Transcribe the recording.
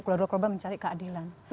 keluarga korban mencari keadilan